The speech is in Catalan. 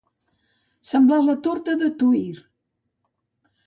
Semblar la torta de Tuïr.